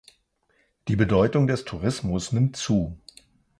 Die Bedeutung des Tourismus nimmt zu.